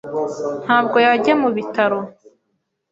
ntabwo yajya mubitaro.